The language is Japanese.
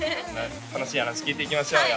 楽しい話聞いていきましょうよ